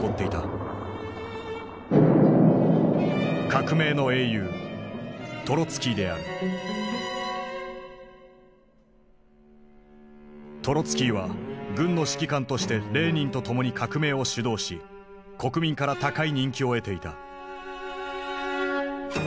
革命の英雄トロツキーは軍の指揮官としてレーニンと共に革命を主導し国民から高い人気を得ていた。